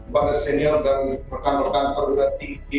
bagaian senior dan berkan berkan perubahan tinggi